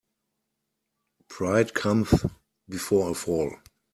Pride cometh before a fall.